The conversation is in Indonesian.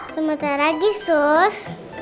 sementara lagi sus